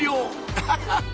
アハハっ！